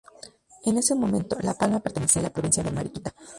En ese momento La Palma pertenecía a la provincia de Mariquita.